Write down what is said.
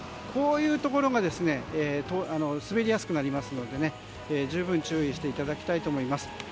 こういうところが滑りやすくなりますので十分注意していただきたいと思います。